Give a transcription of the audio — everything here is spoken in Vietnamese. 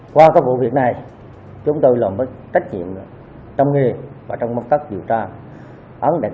qua các vụ việc này chúng tôi là mất trách nhiệm trong nghề và trong mắt tắt điều tra bán đặc